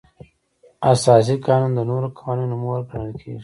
اساسي قانون د نورو قوانینو مور ګڼل کیږي.